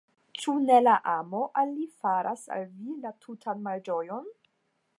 Ĉu ne la amo al li faras al vi la tutan malĝojon?